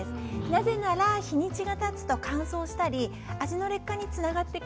なぜなら日にちがたつと乾燥したり味の劣化につながってくるので。